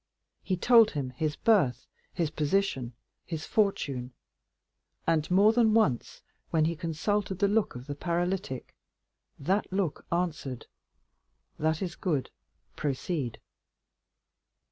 He told him his birth, his position, his fortune, and more than once, when he consulted the look of the paralytic, that look answered, "That is good, proceed."